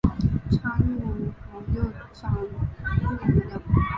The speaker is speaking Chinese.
张路寮又掌路寮。